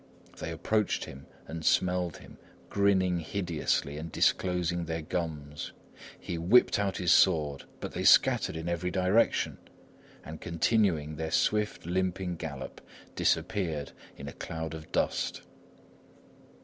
They approached him and smelled him, grinning hideously and disclosing their gums. He whipped out his sword, but they scattered in every direction and continuing their swift, limping gallop, disappeared in a cloud of dust.